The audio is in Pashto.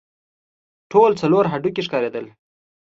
ټول څلور هډوکي ښکارېدل.